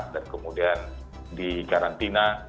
dan kemudian di karantina